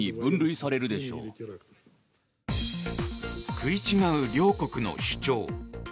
食い違う両国の主張。